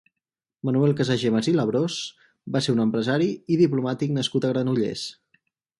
Manuel Casagemas i Labrós va ser un empresari i diplomàtic nascut a Granollers.